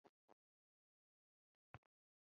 urushako mu bitekerezo byayo